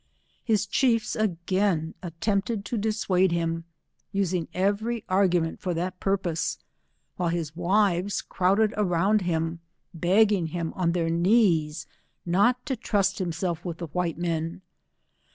His chiefs again attempted to dissuade him, using every argument for that purpose, while his wives crowded around him, begging him on their knees, not to trust himself with the white men.